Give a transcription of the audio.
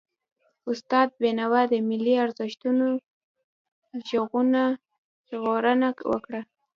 استاد بينوا د ملي ارزښتونو ژغورنه وکړه.